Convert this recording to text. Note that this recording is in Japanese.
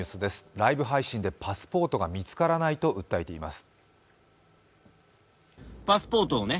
ライブ配信でパスポートが見つからないと訴えています。